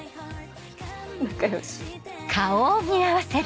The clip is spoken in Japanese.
仲良し。